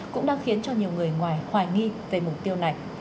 cũng đang khiến cho nhiều người ngoài hoài nghi về mục tiêu này